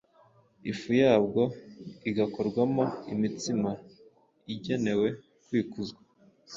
ifu yabwo igakorwamo imitsima igenewe kwikuzwa.